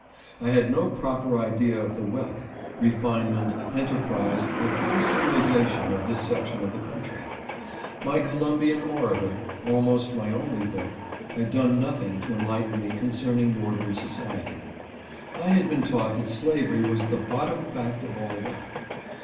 I had no proper idea of the wealth, refinement, enterprise, and high civilization of this section of the country. My Columbian Orator, almost my only book, had done nothing to enlighten me concerning northern society. I had been taught that slavery was the bottom fact of all wealth.